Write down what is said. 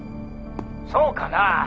そうかな？